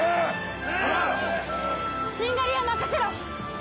しんがりは任せろ！